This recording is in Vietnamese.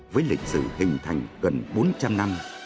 với lịch sử hình thành gần bốn trăm linh năm